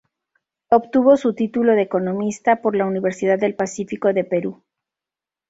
Obtuvo su título de economista por la Universidad del Pacífico de Perú.